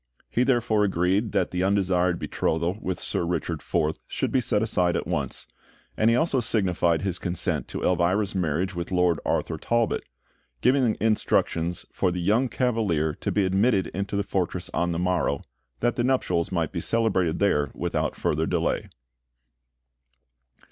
He therefore agreed that the undesired betrothal with Sir Richard Forth should be set aside at once; and he also signified his consent to Elvira's marriage with Lord Arthur Talbot, giving instructions for the young Cavalier to be admitted into the fortress on the morrow, that the nuptials might be celebrated there without further delay.